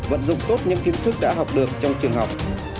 vận dụng tốt những kiến thức đã học được trong trường học